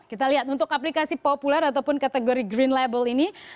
kita lihat untuk aplikasi populer ataupun kategori green label ini